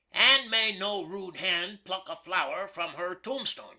And may no rood hand pluk a flour from her toomstun!